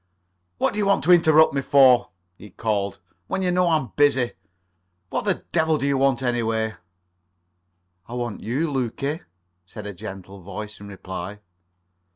"What do you want to interrupt me for," he called, "when you know I'm busy? What the devil do you want, anyway?" "I want you, Lukie," said a gentle voice in reply.